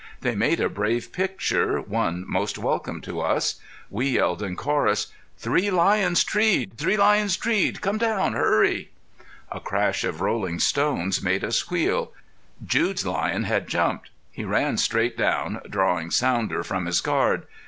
They made a brave picture, one most welcome to us. We yelled in chorus: "Three lions treed! Three lions treed! come down hurry!" A crash of rolling stones made us wheel. Jude's lion had jumped. He ran straight down, drawing Sounder from his guard.